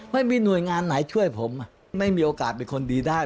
ไม่มีหน่วยงานไหนช่วยผมไม่มีโอกาสเป็นคนดีได้